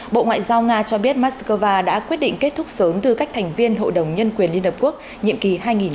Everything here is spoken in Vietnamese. bộ ngoại giao nga cho biết moscow đã quyết định kết thúc sớm tư cách thành viên hội đồng nhân quyền liên hợp quốc nhiệm kỳ hai nghìn hai mươi hai nghìn hai mươi một